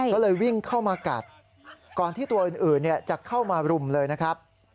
ก็เลยวิ่งเข้ามากัดก่อนที่ตัวอื่นจะเข้ามารุมเลยนะครับ